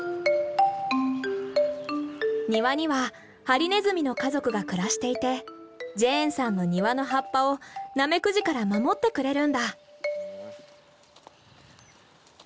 庭にはハリネズミの家族が暮らしていてジェーンさんの庭の葉っぱをナメクジから守ってくれるんだ。